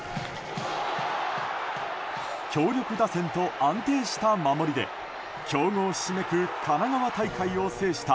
強力打線と安定した守りで強豪ひしめく神奈川大会を制した